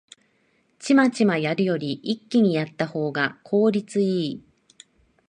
チマチマやるより一気にやったほうが効率いい